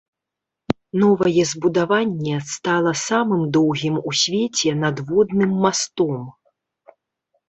Новае збудаванне стала самым доўгім у свеце надводным мастом.